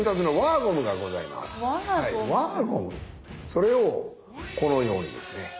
それをこのようにですね